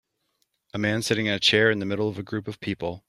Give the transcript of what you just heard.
A man sitting in a chair in the middle of a group of people.